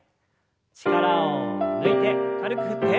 力を抜いて軽く振って。